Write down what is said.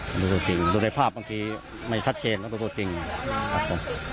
ต้องดูตัวจริงดูในภาพบางทีไม่ชัดเกณฑ์ต้องดูตัวจริงครับผม